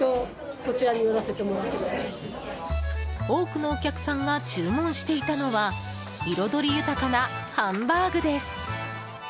多くのお客さんが注文していたのは彩り豊かなハンバーグです。